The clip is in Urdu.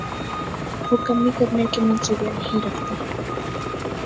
وہ کمی کرنے کے منصوبے نہیں رکھتے ہیں